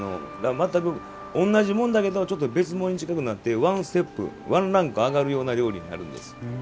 全く同じものだけど別物に近くなってワンステップ、ワンランク上がるような料理になるんです。